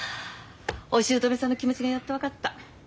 おしゅうとめさんの気持ちがやっと分かった。